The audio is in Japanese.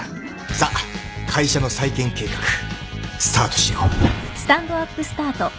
さあ会社の再建計画スタートしよう。